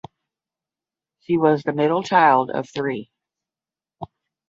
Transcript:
She was the middle child of three.